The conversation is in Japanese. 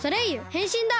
へんしんだ！